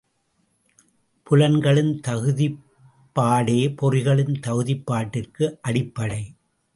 புலன்களின் தகுதிப்பாடே, பொறிகளின் தகுதிப்பாட்டிற்கு அடிப்படை.